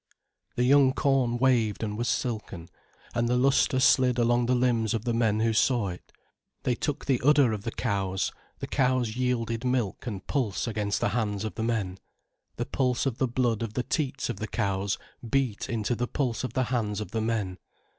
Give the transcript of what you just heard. The young corn waved and was silken, and the lustre slid along the limbs of the men who saw it. They took the udder of the cows, the cows yielded milk and pulse against the hands of the men, the pulse of the blood of the teats of the cows beat into the pulse of the hands of the men.